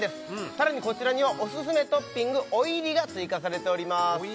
さらにこちらにはオススメトッピングおいりが追加されております